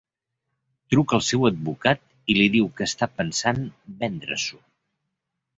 Truca al seu advocat i li diu que està pensant vendre-s'ho.